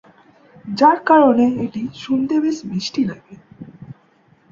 যার কারণে এটি শুনতে বেশ মিষ্টি লাগে।